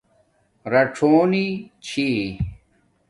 رڞݸنی چھی